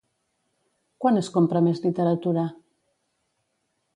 Quan es compra més literatura?